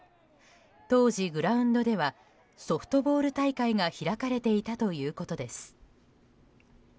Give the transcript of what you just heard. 当時、グラウンドではソフトボール大会が開かれていたということです。